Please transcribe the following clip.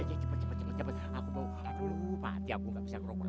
cepet cepet cepet aku mau aku lupa hati aku gak bisa ngrokok lagi